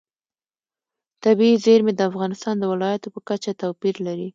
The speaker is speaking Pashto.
طبیعي زیرمې د افغانستان د ولایاتو په کچه توپیر لري.